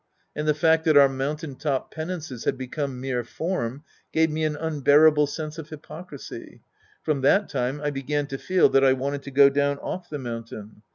And the fact that our mountain top penances had become mere form gave me an unbearable sense of hyprocrisy. From that time I began to feel that I wanted to go down off the mountain.